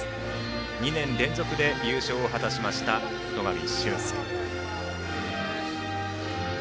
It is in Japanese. ２年連続で優勝を果たしました戸上隼輔。